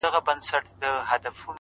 لوړ هدفونه استقامت او نظم غواړي؛